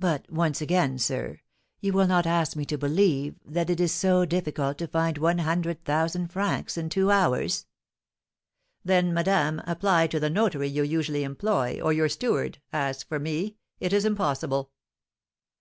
"But, once again, sir, you will not ask me to believe that it is so difficult to find one hundred thousand francs in two hours?" "Then, madame, apply to the notary you usually employ, or your steward; as for me, it is impossible."